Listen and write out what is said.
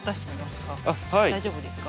大丈夫ですか？